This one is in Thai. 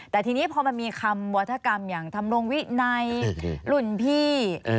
แต่ทีนี้พอมันมีคำวัฒกรรมอย่างทำรงวินัยรุ่นพี่